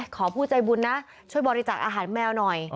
ขอผู้ใจบุญนะช่วยบริจาคอาหารแมวหน่อย